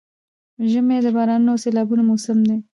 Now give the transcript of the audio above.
ژمی د بارانونو او سيلابونو موسم دی؛